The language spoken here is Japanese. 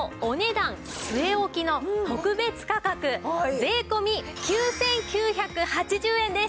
据え置きの特別価格税込９９８０円です！